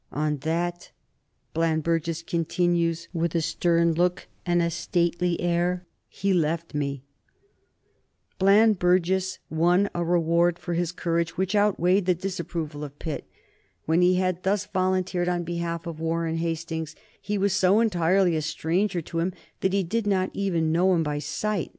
"On that," Bland Burges continues, "with a stern look and a stately air he left me." [Sidenote: 1787 Bland Burges and Hastings] Bland Burges won a reward for his courage which outweighed the disapproval of Pitt. When he had thus volunteered on behalf of Warren Hastings he was so entirely a stranger to him that he did not even know him by sight.